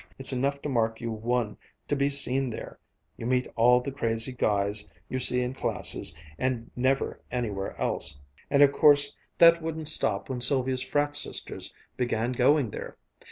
It's enough to mark you one to be seen there you meet all the crazy guys you see in classes and never anywhere else and of course that wouldn't stop when Sylvia's frat sisters began going there.